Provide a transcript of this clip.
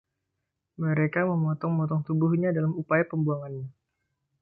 Mereka memotong-motong tubuhnya dalam upaya pembuangannya.